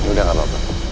ini udah gak apa apa